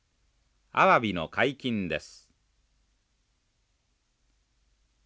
アワビの解禁です。